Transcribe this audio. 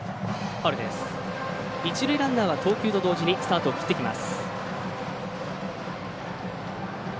一塁ランナーは投球と同時にスタートを切ってきます。